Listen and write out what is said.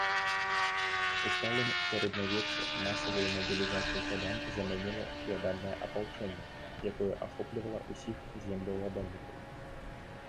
У сталым сярэднявеччы масавую мабілізацыю сялян замяніла феадальнае апалчэнне, якое ахоплівала ўсіх землеўладальнікаў.